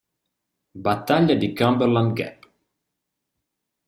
Battaglia di Cumberland Gap